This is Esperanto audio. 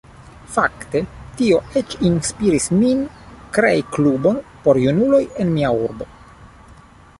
Fakte tio eĉ inspiris min krei klubon por junuloj en mia urbo.